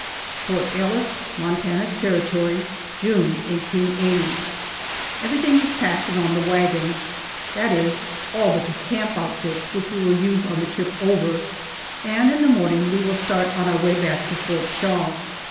FORT ELLIS, MONTANA TERRITORY, June, 1880. EVERYTHING is packed and on the wagons that is, all but the camp outfit which we will use on the trip over and in the morning we will start on our way back to Fort Shaw.